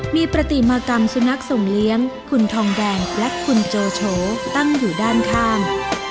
มีปฏิมากรรมสุนัขสมเลี้ยงคุณทองแดงและคุณโจโฉตั้งอยู่ด้านข้าง